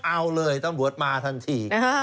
เอาเลยตำรวจมาทันที